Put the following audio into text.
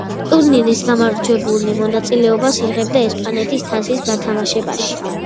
ტურნირის გამარჯვებული მონაწილეობას იღებდა ესპანეთის თასის გათამაშებაში.